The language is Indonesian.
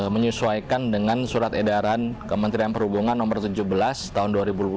menyesuaikan dengan surat edaran kementerian perhubungan no tujuh belas tahun dua ribu dua puluh